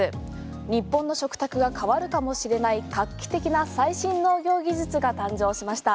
日本の食卓が変わるかもしれない画期的な最新農業技術が誕生しました。